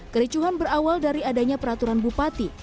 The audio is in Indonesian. kericuhan berawal dari adanya peraturan bupati